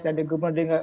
jadi gubernur di inggris